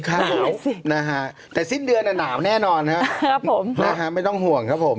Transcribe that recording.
ขาวสินะฮะแต่สิ้นเดือนอ่ะหนาวแน่นอนครับผมนะฮะไม่ต้องห่วงครับผม